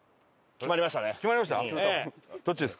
決まりました？